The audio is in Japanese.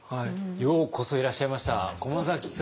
ようこそいらっしゃいました駒崎さん。